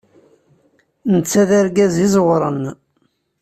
Netta d argaz iẓewren.